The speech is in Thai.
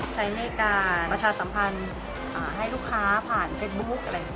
ใช้ในการประชาสัมพันธ์ให้ลูกค้าผ่านเฟคบุ๊ค